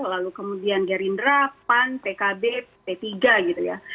lalu kemudian gerindra pan pkb p tiga gitu ya